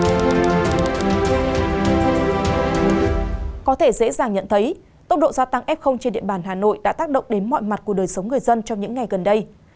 có thể dễ dàng nhận thấy tốc độ gia tăng f trên địa bàn hà nội đã tác động đến mọi mặt của đời sống người dân trong những ngày gần đây